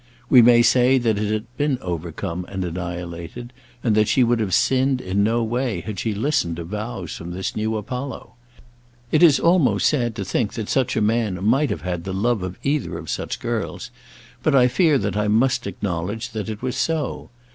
We may say that it had been overcome and annihilated, and that she would have sinned in no way had she listened to vows from this new Apollo. It is almost sad to think that such a man might have had the love of either of such girls, but I fear that I must acknowledge that it was so.